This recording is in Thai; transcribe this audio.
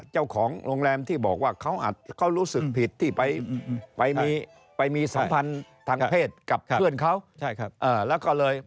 เจ้าของโรงแรมที่บอกเขาอาจรู้สึกผิดที่ไปมีสัมพันธ์ทางเพศกับเพื่อนเขา